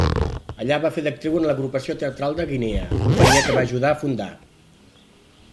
Allà va fer d'actriu en l'Agrupació Teatral de Guinea, companyia que va ajudar a fundar.